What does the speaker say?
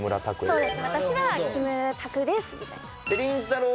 そうです「私はキムタクです」みたいなりんたろー。